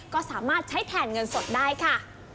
ก็สามารถใช้แทนเงินสดได้ค่ะ